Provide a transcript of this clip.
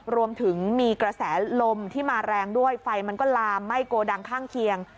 รวมถึงมีกระแสลมที่มาแรงด้วยไฟมันก็ลามไหม้โกดังข้างเคียง